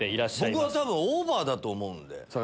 僕は多分オーバーだと思うんで。